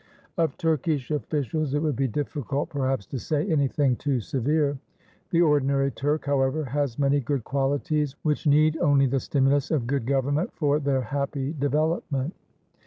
Of Turkish officials it would be difficult, perhaps, to say anything too severe; the ordinary Turk, however, has many good qualities, which need only the stimulus of good government for their happy development.